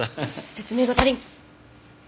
説明が足りん！